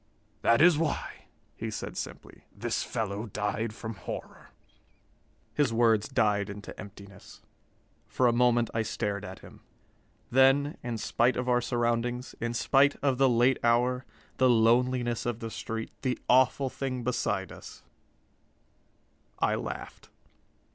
"That is why," he said simply, "this fellow died from horror." His words died into emptiness. For a moment I stared at him. Then, in spite of our surroundings, in spite of the late hour, the loneliness of the street, the awful thing beside us, I laughed.